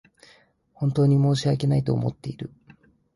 本当に申し訳ないと思っている